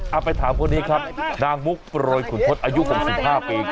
เอาไปถามคนนี้ครับนางมุกโปรยขุนทศอายุ๖๕ปี